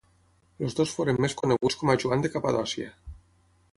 El dos foren més coneguts com a Joan de Capadòcia.